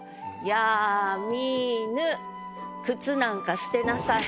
「やみぬ」「靴」なんか捨てなさい。